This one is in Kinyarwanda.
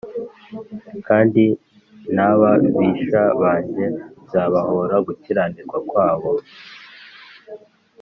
kandi n’ababisha banjye nzabahōra gukiranirwa kwabo